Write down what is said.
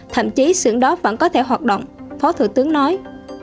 thậm chí sưởng đó vẫn có thể hoạt động phó thủ tướng nói